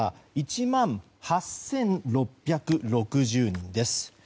１万８６６０人です。